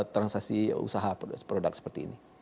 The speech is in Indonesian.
transaksi usaha produk seperti ini